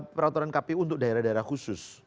peraturan kpu untuk daerah daerah khusus